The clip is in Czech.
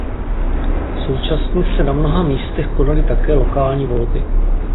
Současně se na mnoha místech konaly také lokální volby.